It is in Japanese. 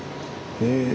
へえ。